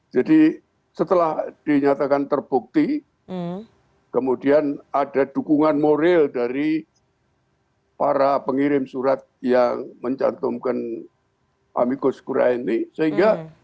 jadi setelah dinyatakan terbukti kemudian ada dukungan moral dari para pengirim surat yang mencantumkan amicus curiae ini